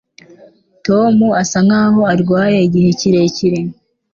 Tom asa nkaho arwaye igihe kirekire.